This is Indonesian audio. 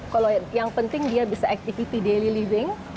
kalau yang penting dia bisa activity daily living